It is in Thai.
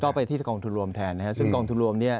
ก็ไปที่กองทุนรวมแทนนะฮะซึ่งกองทุนรวมเนี่ย